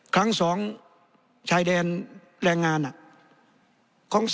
ครั้ง๒ชายแดนแรงงาน